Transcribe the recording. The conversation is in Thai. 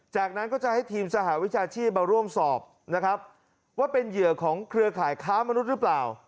จากนั้นก็จะให้ทีมสหวิชาชีพมาร่วมสอบนะครับว่าเป็นเหยื่อของเครือข่ายค้ามนุษย์หรือเปล่า